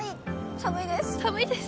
寒いです。